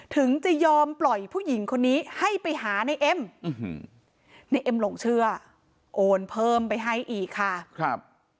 ถึงจะยอมปล่อยผู้หญิงคนนี้ให้ไปหาในเอ็มในเอ็มหลงเชื่อโอนเพิ่มไปให้อีกค่ะครับ